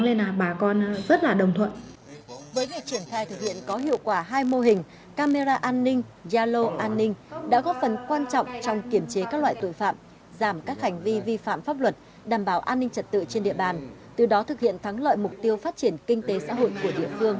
với việc triển khai thực hiện có hiệu quả hai mô hình camera an ninh yalo an ninh đã góp phần quan trọng trong kiểm chế các loại tội phạm giảm các hành vi vi phạm pháp luật đảm bảo an ninh trật tự trên địa bàn từ đó thực hiện thắng lợi mục tiêu phát triển kinh tế xã hội của địa phương